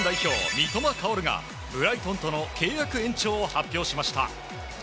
三笘薫がブライトンとの契約延長を発表しました。